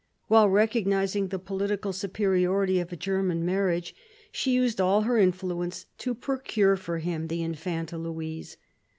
While recognising the political superiority of a German marriage, she used all her influence to procure for him the Infanta Louise.